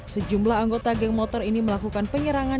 sejumlah anggota geng motor ini melakukan penyerangan